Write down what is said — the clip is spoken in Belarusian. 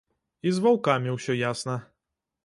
І з ваўкамі ўсё ясна.